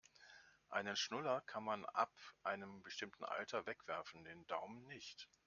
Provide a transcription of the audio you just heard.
Einen Schnuller kann man ab einem bestimmten Alter wegwerfen, den Daumen nicht.